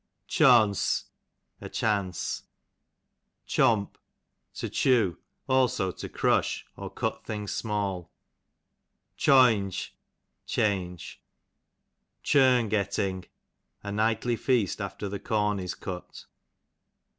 Choance, a chance. Chomp, to chew ; also to ei'ush, or cut things small. Choynge, change. Churn getting, a nightly feast after the com is cut.